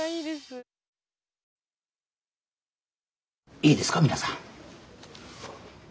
いいですか皆さん。